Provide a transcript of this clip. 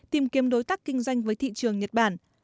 tìm kiếm đối tác kinh doanh với thị trường nhật bản